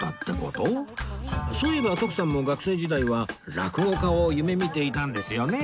そういえば徳さんも学生時代は落語家を夢見ていたんですよね